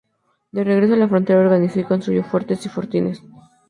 De regreso a la frontera, organizó y construyó fuertes y fortines.